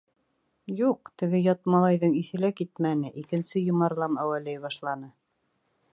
Юҡ, теге ят малайҙың иҫе лә китмәне, икенсе йомарлам әүәләй башланы.